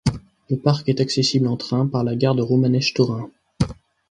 Le parc est accessible en train par la gare de Romanèche-Thorins.